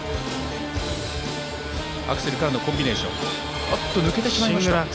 アクセルからのコンビネーション抜けてしまいました。